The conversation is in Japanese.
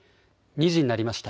２時になりました。